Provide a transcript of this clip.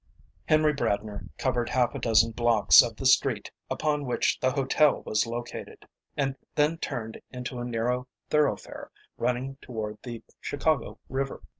Henry Bradner covered half a dozen blocks of the street upon which the hotel was located, and then turned into a narrow thoroughfare running toward the Chicago river.